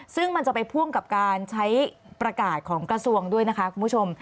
ซึ่งมันจะไปพ่วงกับการใช้ประกาศของกระทรวงด้วยนะคะคุณผู้ชม